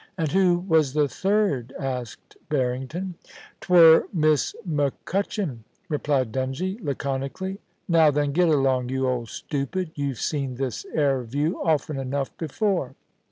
* And who was the third ?' asked Barrington. *Twur Miss MacCutchan,' replied Dungie, laconically. * Now then, git along, you old stoopid ! You've seen this 'ere view often enough before.'